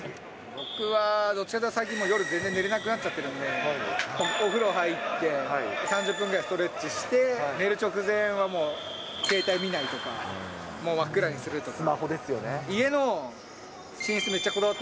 僕は最近、夜、全然寝れなくなっちゃってるんで、お風呂入って、３０分ぐらいストレッチして、寝る直前は、もう携帯見ないとか、もう真っ暗にするとか。